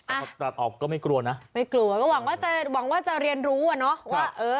ตัดออกก็ไม่กลัวนะไม่กลัวก็หวังว่าจะหวังว่าจะเรียนรู้อ่ะเนอะว่าเออ